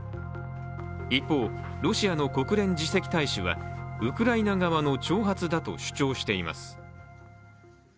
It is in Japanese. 一方、ロシアの国連次席大使はウクライナ側の挑発だと主張しています。